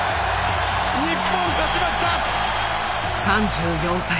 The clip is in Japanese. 日本勝ちました！